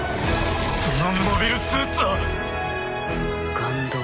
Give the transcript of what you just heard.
そのモビルスーツは。